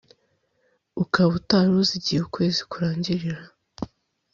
ukaba utari uzi igihe ukwezi kurangirira,